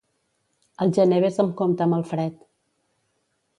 Al gener ves amb compte amb el fred.